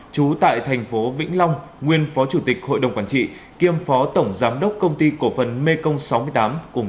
chú tại tp vĩnh long nguyên phó chủ tịch hội đồng quản trị kiêm phó tổng giám đốc công ty cổ phần mê công sáu mươi tám